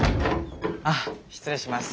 あっ失礼します。